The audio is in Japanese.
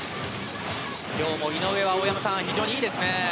今日も井上は大山さん、非常にいいですね。